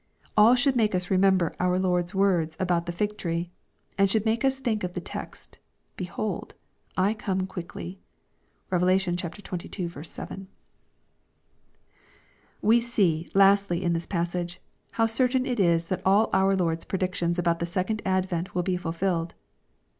All should make us remember our Lord's words about the fig tree. All should make us think of the text, " Be hold, I come quickly/' (Eev. xxii. 7.) We see, lastly, in this jjassage, how certain it is that all our Lord's predictions about the second advent tvillbefui fUed.